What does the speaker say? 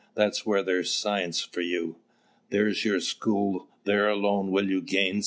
That's where there's science for you! There's your school; there alone will you gain sense."